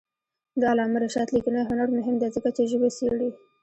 د علامه رشاد لیکنی هنر مهم دی ځکه چې ژبه څېړي.